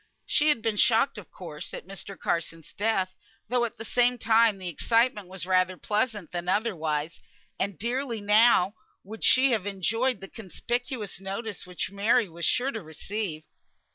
She had been shocked, of course, at Mr. Carson's death, though at the same time the excitement was rather pleasant than otherwise; and dearly now would she have enjoyed the conspicuous notice which Mary was sure to receive.